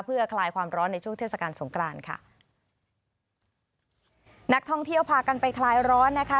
เพื่อคลายความร้อนในช่วงเทศกาลสงกรานค่ะนักท่องเที่ยวพากันไปคลายร้อนนะคะ